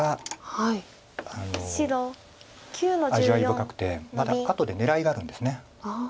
味わい深くてまた後で狙いがあるんです。